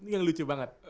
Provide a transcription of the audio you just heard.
ini yang lucu banget